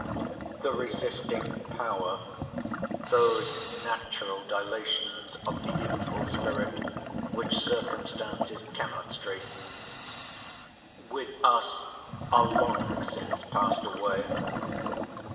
The resisting power—those natural dilations of the youthful spirit, which circumstances cannot straiten—with us are long since passed away.